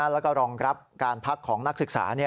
แล้วก็รองรับการพักของนักศึกษา